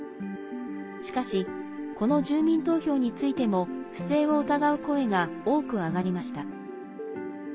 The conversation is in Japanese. しかし、この住民投票についても不正を疑う声が多く上がりました。